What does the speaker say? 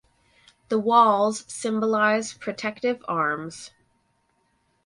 The walls symbolize protective arms.